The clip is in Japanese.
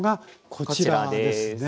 こちらです。